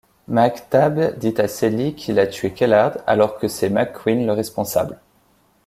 McTabb dit à Celie qu'il a tué Kellard, alors que c'est McQueen le responsable.